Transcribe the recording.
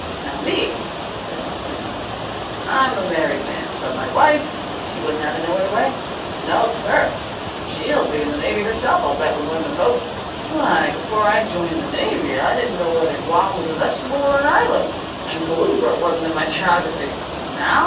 "Now me," said the recruiting officer, "I'm a married man. But my wife, she wouldn't have it no other way. No, sir! She'll be in the navy herself, I'll bet, when women vote. Why, before I joined the navy I didn't know whether Guam was a vegetable or an island, and Culebra wasn't in my geography. Now?